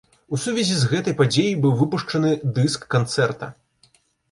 У сувязі з гэтай падзеяй быў выпушчаны дыск канцэрта.